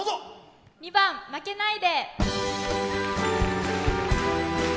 ２番「負けないで」。